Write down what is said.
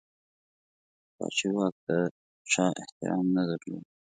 پاچهي واک ته چا احترام نه درلود.